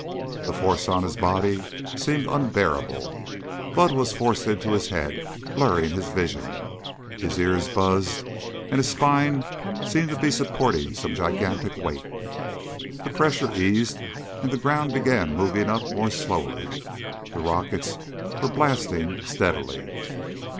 The force on his body seemed unbearable. Blood was forced into his head, blurring his vision. His ears buzzed and his spine seemed to be supporting some gigantic weight. The pressure eased and the ground began moving up more slowly. The rockets were blasting steadily.